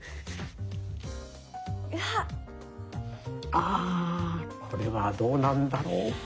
あこれはどうなんだろう？